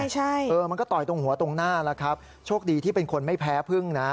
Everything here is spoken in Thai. ใช่เออมันก็ต่อยตรงหัวตรงหน้าแล้วครับโชคดีที่เป็นคนไม่แพ้พึ่งนะ